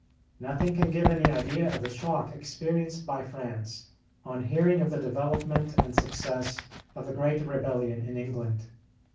Nothing can give any idea of the shock experienced by France on hearing of the development and success of the Great Rebellion in England.